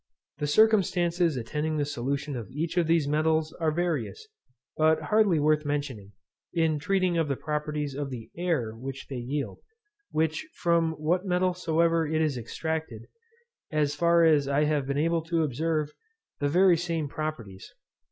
The circumstances attending the solution of each of these metals are various, but hardly worth mentioning, in treating of the properties of the air which they yield; which, from what metal soever it is extracted, has, as far as I have been able to observe, the very same properties.